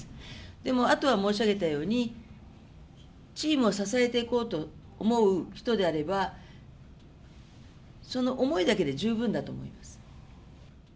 でも、あとは申し上げたように、チームを支えていこうと思う人であれば、その思いだけで十分だと思います。